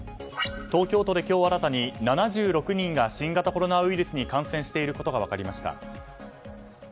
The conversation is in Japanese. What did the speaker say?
東京都で今日、新たに７６人が新型コロナウイルスに感染していることが分かりました。